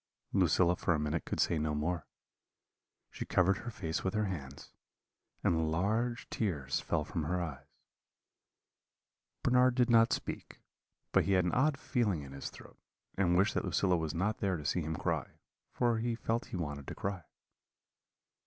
"Lucilla for a minute could say no more; she covered her face with her hands, and large tears fell from her eyes. Bernard did not speak, but he had an odd feeling in his throat, and wished that Lucilla was not there to see him cry, for he felt he wanted to cry.